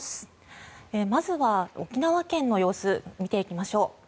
まずは沖縄県の様子を見ていきましょう。